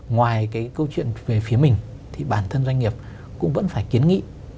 ngoài cái câu chuyện về phía mình thì bản thân doanh nghiệp cũng vẫn phải kiến nghị